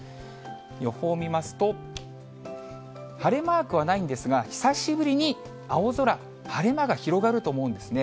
予報を見ますと、晴れマークはないんですが、久しぶりに青空、晴れ間が広がると思うんですね。